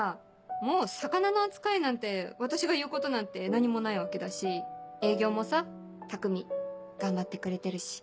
もう魚の扱いなんて私が言うことなんて何もないわけだし営業もさたくみ頑張ってくれてるし。